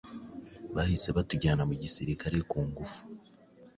bahise batujyana mu gisirikare ku ngufu